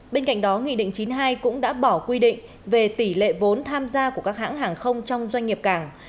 bên cạnh đó nghị định chín mươi hai cũng đã bỏ quy định về tỷ lệ vốn tham gia của các hãng hàng không trong doanh nghiệp cảng